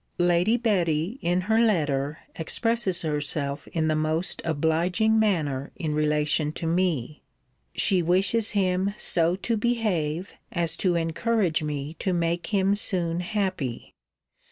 Lady Betty, in her letter, expresses herself in the most obliging manner in relation to me. 'She wishes him so to behave, as to encourage me to make him soon happy.